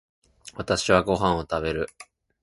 私はご飯を食べる。